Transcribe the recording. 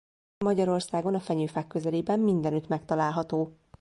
Magyarországon a fenyőfák közelében mindenütt megtalálható.